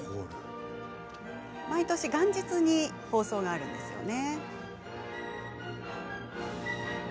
毎年、元日に放送があるんですよね。